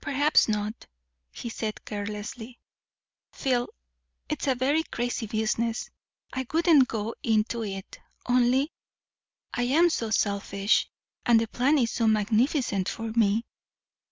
"Perhaps not," he said carelessly. "Phil, it's a very crazy business! I wouldn't go into it, only I am so selfish, and the plan is so magnificent for me."